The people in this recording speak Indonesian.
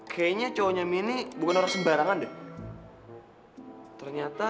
kayanya cowonya menyihir bukan orang sembarangan deh